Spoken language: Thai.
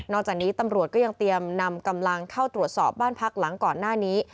จากนี้ตำรวจก็ยังเตรียมนำกำลังเข้าตรวจสอบบ้านพักหลังก่อนหน้านี้